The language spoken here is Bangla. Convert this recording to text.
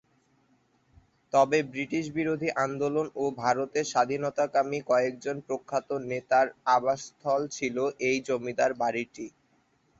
তবে ব্রিটিশ বিরোধী আন্দোলন ও ভারতের স্বাধীনতাকামী কয়েকজন প্রখ্যাত নেতার আবাসস্থল ছিল এই জমিদার বাড়িটি।